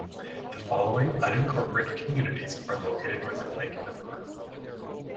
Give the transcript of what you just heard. The following unincorporated communities are located within Lake No.